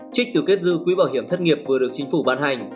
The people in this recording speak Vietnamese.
trích từ kết dư quỹ bảo hiểm thất nghiệp vừa được chính phủ ban hành